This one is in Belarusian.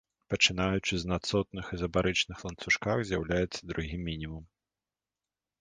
Пачынаючы з на цотных ізабарычных ланцужках з'яўляецца другі мінімум.